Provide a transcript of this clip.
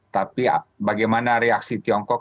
tapi bagaimana reaksi tiongkok